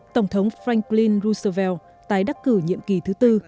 tổng thống franklin roosevelt tái đắc cử nhiệm kỳ thứ tư